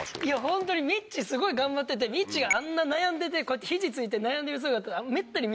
ホントにみっちーすごい頑張っててみっちーがあんな悩んでてこうやって肘突いて悩んでる姿。